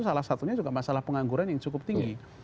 salah satunya juga masalah pengangguran yang cukup tinggi